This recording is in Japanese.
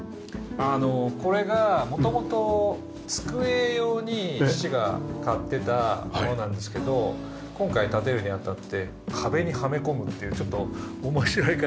あのこれが元々机用に父が買ってたものなんですけど今回建てるにあたって壁にはめ込むっていうちょっと面白い形で。